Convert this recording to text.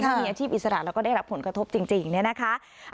มีอาชีพอิสระแล้วก็ได้รับผลกระทบจริงเนี่ยนะคะ